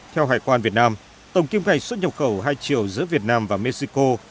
theo hải quan việt nam tổng kiếm ngày xuất nhập khẩu hai triệu giữa việt nam và mexico